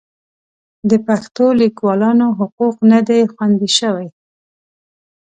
د پښتو لیکوالانو حقوق نه دي خوندي شوي.